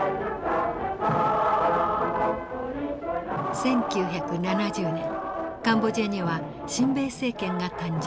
１９７０年カンボジアには親米政権が誕生。